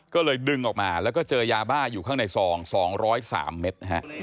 ก็เลยดึงออกมาแล้วก็เจอยาบ้าอยู่ข้างในซอง๒๐๓เมตร